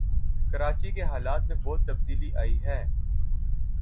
کراچی کے حالات میں بہت تبدیلی آئی ہے